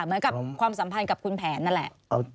เหมือนกับความสัมพันธ์กับคุณแผนนั่นแหละ